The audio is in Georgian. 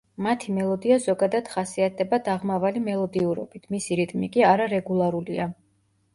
მათი მელოდია ზოგადად ხასიათდება დაღმავალი მელოდიურობით, მისი რიტმი კი არარეგულარულია.